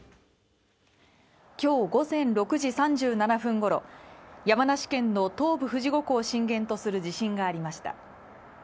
今日午前６時３７分ごろ山梨県の東部、富士五湖を震源とする地震がありました